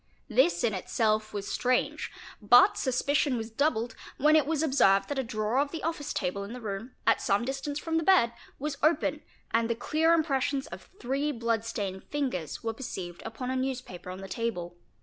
This in itself was strange, but suspicion was doubled when it was observed that a drawer of the oftice table in the room, at some distance from the bed, was open and the clear impressions of three blood stained fingers were perceived upon a newspaper on the table.